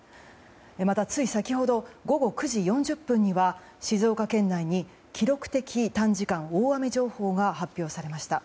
また、つい先ほど午後９時４０分には静岡県内に記録的短時間大雨情報が発表されました。